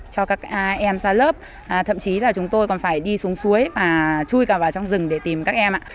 cho các em ra lớp thậm chí là chúng tôi còn phải đi xuống suối và chui cả vào trong rừng để tìm các em ạ